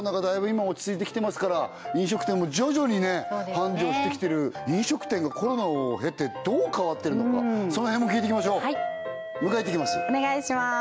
今落ち着いてきてますから飲食店も徐々にね繁盛してきてる飲食店がコロナを経てどう変わってるのかその辺も聞いていきましょう迎え行ってきます